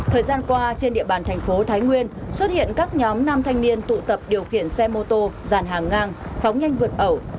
thời gian qua trên địa bàn thành phố thái nguyên xuất hiện các nhóm nam thanh niên tụ tập điều khiển xe mô tô giàn hàng ngang phóng nhanh vượt ẩu